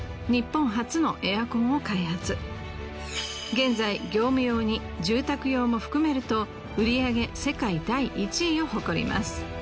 現在業務用に住宅用も含めると売り上げ世界第１位を誇ります。